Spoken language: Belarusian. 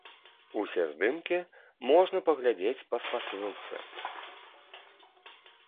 Усе здымкі можна паглядзець па спасылцы.